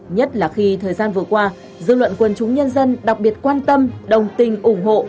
nhất là khi thời gian vừa qua dư luận quân chúng nhân dân đặc biệt quan tâm đồng tình ủng hộ